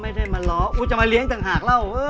ไม่ไปมาเลาะมาเลี้ยงจังหาก